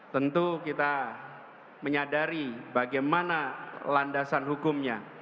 tentu kita menyadari bagaimana landasan hukumnya